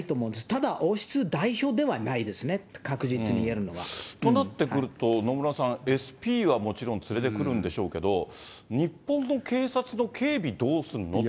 ただ王室代表ではないですね、確実に言えるのは。となってくると、野村さん、ＳＰはもちろん連れてくるんでしょうけど、日本の警察の警備、どうするのって。